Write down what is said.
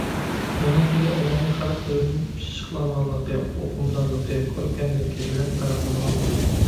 ئۇنىڭ تىلى ئومۇمىي خەلق تىلىدىن پىششىقلانغانلىقى، ئۇقۇمدارلىقى، كۆركەملىكى بىلەن پەرقلىنىدىغان بولدى.